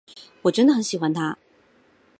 我真的很喜欢他。